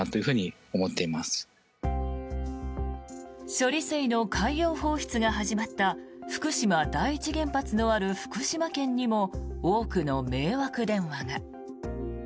処理水の海洋放出が始まった福島第一原発のある福島県にも多くの迷惑電話が。